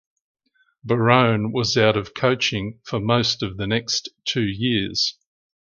Barone was out of coaching for most of the next two years.